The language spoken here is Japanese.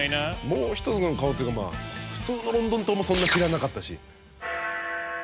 もう一つの顔というかまあ普通のロンドン塔もそんな知らなかったし。